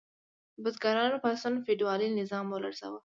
د بزګرانو پاڅونونو فیوډالي نظام ولړزاوه.